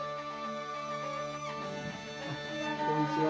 こんにちは。